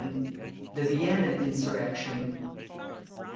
XI. THE VIENNA INSURRECTION.